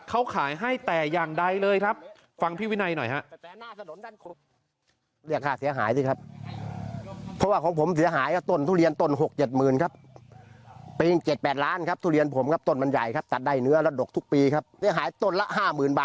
เขาขายให้แต่อย่างใดเลยครับ